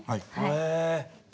へえ。